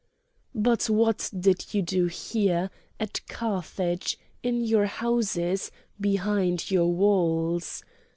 "But what did you do here, at Carthage, in your houses, behind your walls?